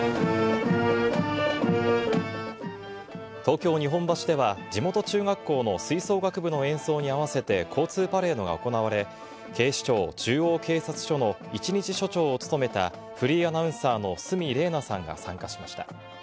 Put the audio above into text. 東京・日本橋では、地元中学校の吹奏楽部の演奏に合わせて交通パレードが行われ、警視庁中央警察署の一日署長を務めた、フリーアナウンサーの鷲見玲奈さんが参加しました。